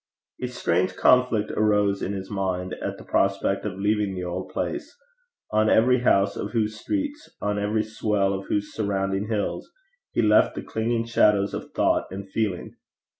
A strange conflict arose in his mind at the prospect of leaving the old place, on every house of whose streets, on every swell of whose surrounding hills he left the clinging shadows of thought and feeling.